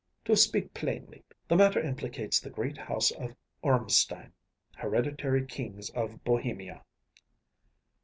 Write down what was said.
To speak plainly, the matter implicates the great House of Ormstein, hereditary kings of Bohemia.